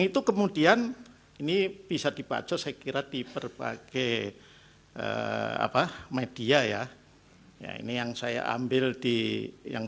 itu kemudian ini bisa dibaco saya kira di berbagai apa media ya ini yang saya ambil di yang